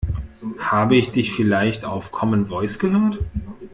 Habe ich dich vielleicht auf Common Voice gehört?